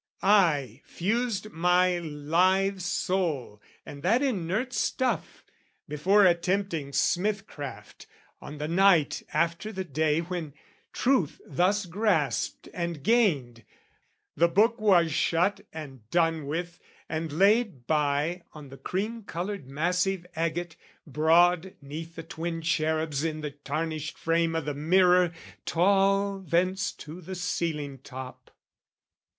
I fused my live soul and that inert stuff, Before attempting smithcraft, on the night After the day when, truth thus grasped and gained, The book was shut and done with and laid by On the cream coloured massive agate, broad 'Neath the twin cherubs in the tarnished frame O' the mirror, tall thence to the ceiling top.